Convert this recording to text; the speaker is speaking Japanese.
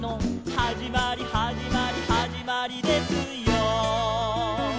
「はじまりはじまりはじまりですよー」